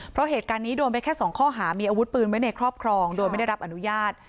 เพราะเหตุการณ์นี้โดนไปแค่๒ข้อหามีอาวุธปืนไว้ในครอบครองโดยไม่ได้รับอนุญาต